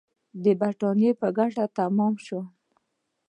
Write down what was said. د برېټانیا په ګټه تمام شول.